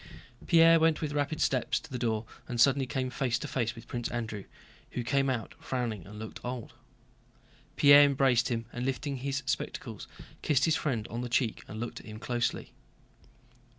Pierre went with rapid steps to the door and suddenly came face to face with Prince Andrew, who came out frowning and looking old. Pierre embraced him and lifting his spectacles kissed his friend on the cheek and looked at him closely.